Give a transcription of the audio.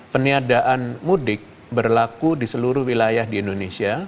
peniadaan mudik berlaku di seluruh wilayah di indonesia